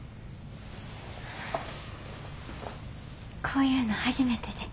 こういうの初めてで。